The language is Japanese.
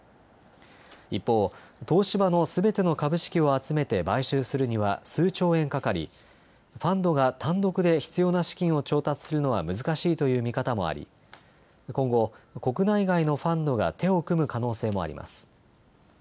一方、東芝のすべての株式を集めて買収するには数兆円かかりファンドが単独で必要な資金を調達するのは難しいという見方もあり今後、国内外のファンドが手を組む可能性もあります。